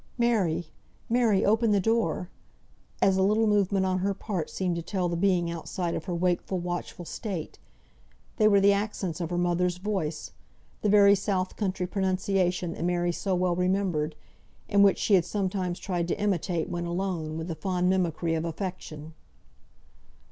"Mary! Mary! open the door!" as a little movement on her part seemed to tell the being outside of her wakeful, watchful state. They were the accents of her mother's voice; the very south country pronunciation, that Mary so well remembered; and which she had sometimes tried to imitate when alone, with the fond mimicry of affection.